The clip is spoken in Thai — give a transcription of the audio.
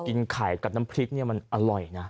กินไข่กับน้ำพริกเนี่ยมันอร่อยนะ